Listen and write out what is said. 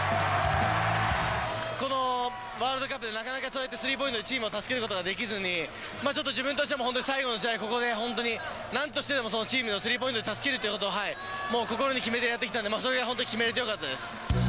このワールドカップ、なかなかスリーポイントでチームを助けることができずに、ちょっと自分としても、最後の試合、ここで本当に、なんとしてでもチームをスリーポイントで助けるともう心に決めてやって来たんで、それが本当決めれてよかったです。